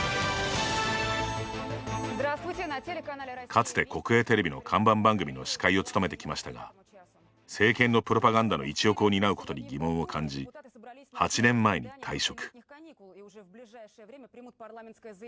かつて国営テレビの看板番組の司会を務めてきましたが政権のプロパガンダの一翼を担うことに疑問を感じ８年前に退職。